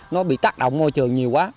nó bị tác động môi trường nhiều quá